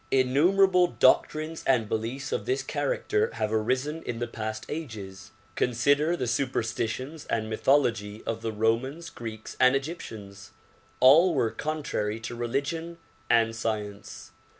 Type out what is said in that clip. Innumerable doctrines and beliefs of this character have arisen in the past ages. Consider the superstitions and mythology of the Romans, Greeks and Egyptians ; all were contrary to religion and science.